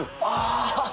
ああ。